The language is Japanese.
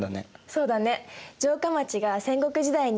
そうだね。